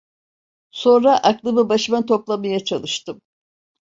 Sonra aklımı başıma toplamaya çalıştım.